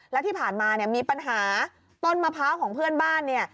แล้วที่ผ่านมาเนี่ยมีปัญหาต้นมะพร้าวของเพื่อนบ้านเนี่ย